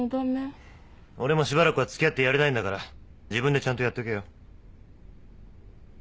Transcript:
俺もしばらくはつきあってやれないんだから自分でちゃんとやっとけよ。